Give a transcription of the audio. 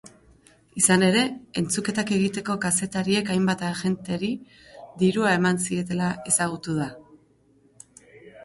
Izan ere, entzuketak egiteko kazetariek hainbat agenteri dirua eman zietela ezagutu da.